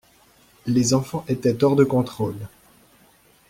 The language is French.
Les enfants étaient hors de contrôle.